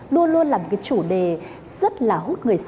tầm nhận lậm xỉn gr archive được ghi nội dung trong s flices